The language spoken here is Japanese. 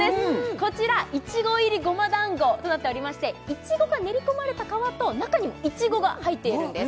こちらいちご入り胡麻団子となっておりましていちごが練り込まれた皮と中にもいちごが入っているんです